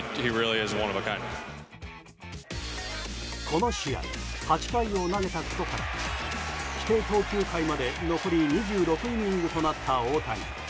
この試合８回を投げたことから規定投球回まで残り２６イニングとなった大谷。